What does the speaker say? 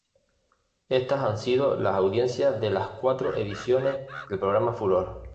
Estas han sido las audiencias de las cuatro ediciones del programa "Furor"